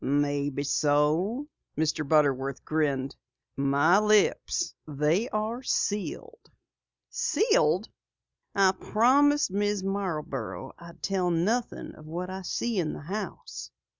"Maybe so," Mr. Butterworth grinned. "My lips, they are sealed." "Sealed?" "I promise Mrs. Marborough I tell nothing of what I see in the house."